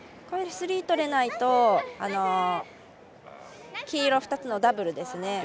スリーとれないと黄色２つのダブルですね。